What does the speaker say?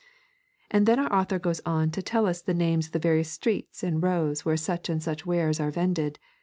And then our author goes on to tell us the names of the various streets and rows where such and such wares are vended.